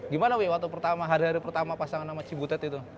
gimana we waktu pertama hari hari pertama pasangan sama cibutet itu